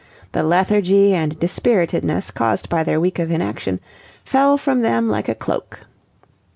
The lethargy and dispiritedness, caused by their week of inaction, fell from them like a cloak.